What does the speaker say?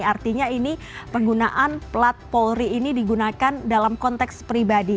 artinya ini penggunaan plat polri ini digunakan dalam konteks pribadi